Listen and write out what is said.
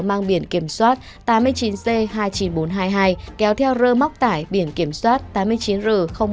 mang biển kiểm soát tám mươi chín c hai mươi chín nghìn bốn trăm hai mươi hai kéo theo rơ móc tải biển kiểm soát tám mươi chín r một nghìn chín trăm ba mươi bốn